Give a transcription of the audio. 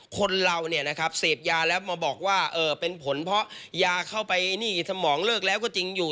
คนเราเสพยาแล้วมาบอกว่าเป็นผลเพราะยาเข้าไปนี่สมองเลิกแล้วก็จริงอยู่